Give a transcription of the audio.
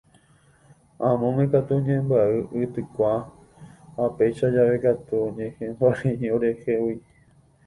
Amóme katu oñembyai y tykua ha péicha jave katu oñehẽmbarei orehegui.